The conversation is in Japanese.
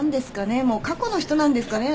もう過去の人なんですかね？